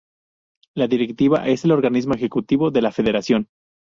La Directiva es el organismo Ejecutivo de la Federación.